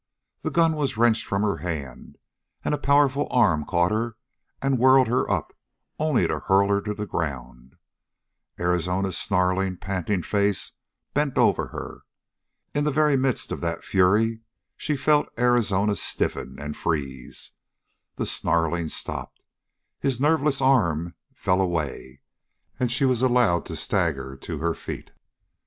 The gun was wrenched from her hand, and a powerful arm caught her and whirled her up, only to hurl her to the ground; Arizona's snarling, panting face bent over her. In the very midst of that fury she felt Arizona stiffen and freeze; the snarling stopped; his nerveless arm fell away, and she was allowed to stagger to her feet.